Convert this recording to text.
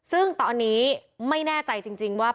ซึ่งตอนนี้ไม่แน่ใจจริงว่า